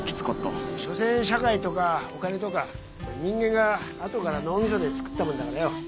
所詮社会とかお金とか人間があとから脳みそで作ったもんだからよ。